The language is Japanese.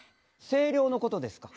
声量のことですか？